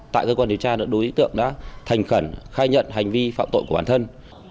tại cơ quan điều tra đối tượng đã thành khẩn khai nhận hành vi phạm tội của bản thân